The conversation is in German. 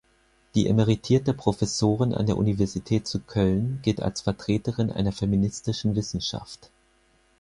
Die emeritierte Professorin an der Universität zu Köln gilt als Vertreterin einer feministischen Wissenschaft.